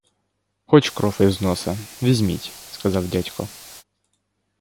Хоч кров із носа, візьміть, — сказав дядько.